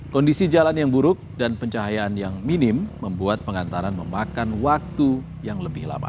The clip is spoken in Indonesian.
kondisi jalan yang buruk dan pencahayaan yang minim membuat pengantaran memakan waktu yang lebih lama